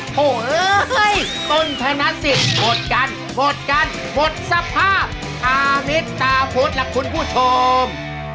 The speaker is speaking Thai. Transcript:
โอ้โฮต้นพนักศิษย์หมดกันหมดกันหมดสภาพอามิตาโภตรหลักคุณผู้ชม